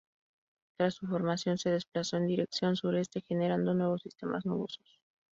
Tras su formación se desplazó en dirección sureste generando nuevos sistemas nubosos.